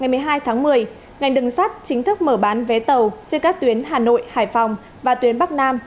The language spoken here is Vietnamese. ngày một mươi hai tháng một mươi ngành đường sắt chính thức mở bán vé tàu trên các tuyến hà nội hải phòng và tuyến bắc nam